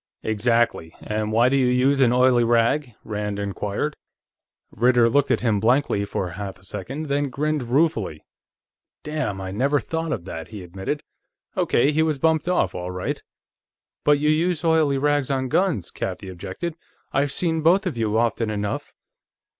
"Exactly. And why do you use an oily rag?" Rand inquired. Ritter looked at him blankly for a half second, then grinned ruefully. "Damn, I never thought of that," he admitted. "Okay, he was bumped off, all right." "But you use oily rags on guns," Kathie objected. "I've seen both of you, often enough."